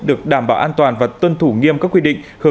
được đảm bảo an toàn và tuân thủ nghiêm các quy định